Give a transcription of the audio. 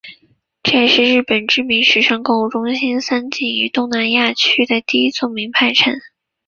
这也是日本知名时尚购物中心三井于东南亚区域的第一座名牌城。